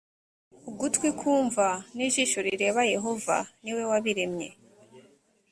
ugutwi kumva n ijisho rireba yehova ni we wabiremye